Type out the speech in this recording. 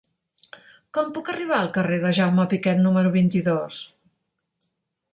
Com puc arribar al carrer de Jaume Piquet número vint-i-dos?